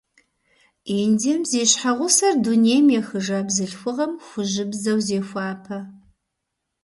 Индием зи щхьэгъусэр дунейм ехыжа бзылъхугъэм хужьыбзэу зехуапэ.